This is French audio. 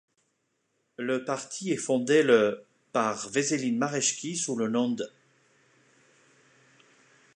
Le parti est fondé le par Veselin Mareshki sous le nom d'.